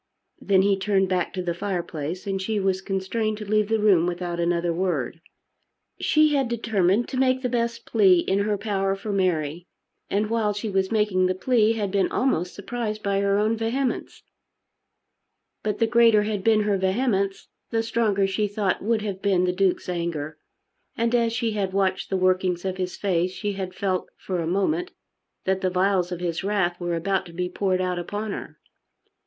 Then he turned back to the fireplace, and she was constrained to leave the room without another word. She had determined to make the best plea in her power for Mary; and while she was making the plea had been almost surprised by her own vehemence; but the greater had been her vehemence, the stronger, she thought, would have been the Duke's anger. And as she had watched the workings of his face she had felt for a moment that the vials of his wrath were about to be poured out upon her.